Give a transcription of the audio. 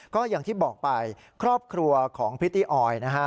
ก็อย่างที่บอกไปครอบครัวของพริตตี้ออยนะฮะ